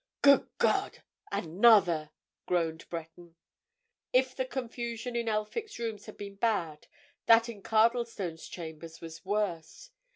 "Good God—another!" groaned Breton. If the confusion in Elphick's rooms had been bad, that in Cardlestone's chambers was worse.